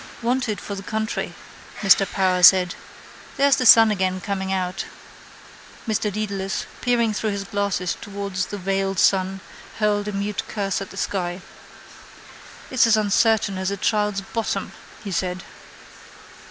—Wanted for the country, Mr Power said. There's the sun again coming out. Mr Dedalus, peering through his glasses towards the veiled sun, hurled a mute curse at the sky. —It's as uncertain as a child's bottom, he said.